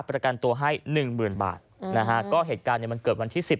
ประกันตัวให้หนึ่งหมื่นบาทนะฮะก็เหตุการณ์เนี่ยมันเกิดวันที่สิบ